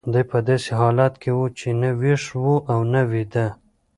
دی په داسې حالت کې و چې نه ویښ و او نه ویده.